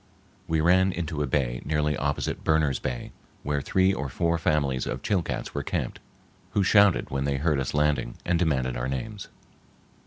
We ran into a bay nearly opposite Berner's Bay, where three or four families of Chilcats were camped who shouted when they heard us landing and demanded our names.